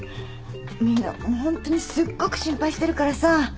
みんなホントにすっごく心配してるからさ。